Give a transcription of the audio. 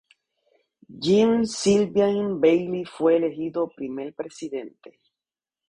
Jean Sylvain Bailly fue elegido primer presidente.